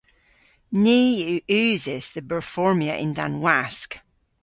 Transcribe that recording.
Ni yw usys dhe berformya yn-dann wask.